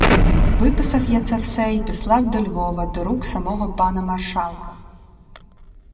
Виписав я це все й післав до Львова до рук самого пана маршалка.